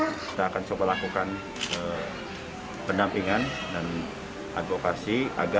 kita akan coba lakukan pendampingan dan advokasi